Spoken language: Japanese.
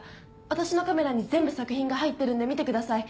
私のカメラに全部作品が入ってるんで見てください。